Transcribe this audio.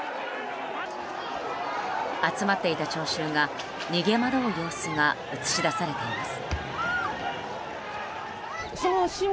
集まっていた聴衆が逃げ惑う様子が映し出されています。